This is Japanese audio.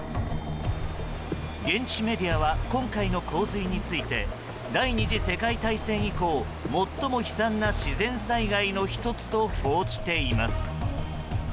現地メディアは今回の洪水について第２次世界大戦以降、最も悲惨な自然災害の１つと報じています。